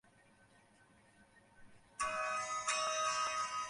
আত্মা মনকে যন্ত্রস্বরূপ করিয়া শরীরকে চালিত করে।